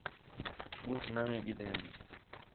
بوٹ نویں گِڈھیم